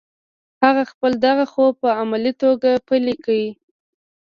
هغه خپل دغه خوب په عملي توګه پلی کړ